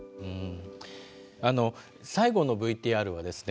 最後のＶＴＲはですね